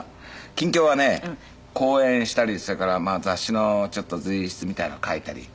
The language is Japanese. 近況はね講演したりそれから雑誌のちょっと随筆みたいなのを書いたり。